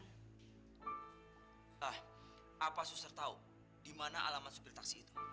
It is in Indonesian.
ah apa suster tahu di mana alamat supir taksi itu